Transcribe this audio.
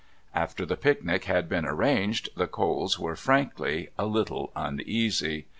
After the picnic had been arranged the Coles were, frankly, a little uneasy.